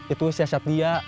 itu siasat dia